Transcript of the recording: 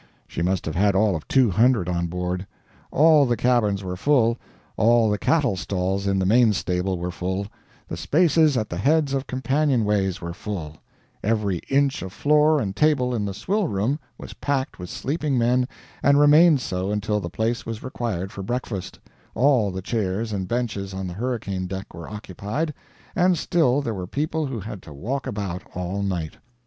She must have had all of 200 on board. All the cabins were full, all the cattle stalls in the main stable were full, the spaces at the heads of companionways were full, every inch of floor and table in the swill room was packed with sleeping men and remained so until the place was required for breakfast, all the chairs and benches on the hurricane deck were occupied, and still there were people who had to walk about all night!